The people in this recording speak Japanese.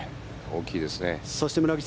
大きいですね。